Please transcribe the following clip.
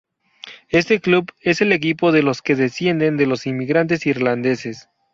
Este club es el equipo de los que descienden de los inmigrantes irlandeses.